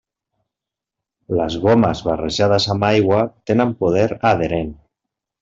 Les gomes barrejades amb aigua tenen poder adherent.